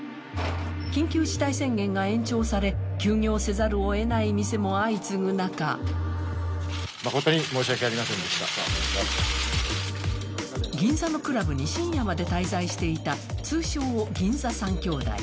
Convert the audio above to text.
緊急事態宣言が延長され、休業せざるをえない店も相次ぐ中銀座のクラブに深夜まで滞在していた通称・銀座３兄弟。